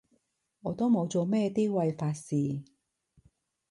我都冇做啲咩違法事